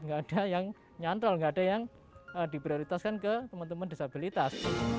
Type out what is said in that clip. nggak ada yang nyantrol nggak ada yang diprioritaskan ke teman teman disabilitas